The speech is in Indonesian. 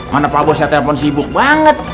mana pak bos saya telepon sibuk banget